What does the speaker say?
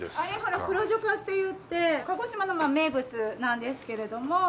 黒千代香っていって鹿児島の名物なんですけれども。